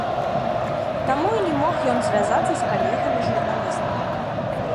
Таму і не мог ён звязацца з калегамі журналістамі.